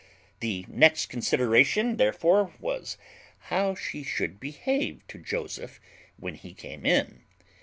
The next consideration therefore was, how she should behave to Joseph when he came in.